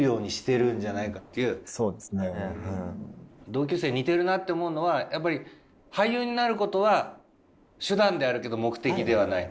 同級生似てるなって思うのはやっぱり俳優になることは手段であるけど目的ではない。